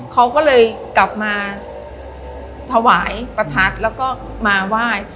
เขาก็เลยกลับมาถวายประทัดแล้วก็มาไหว้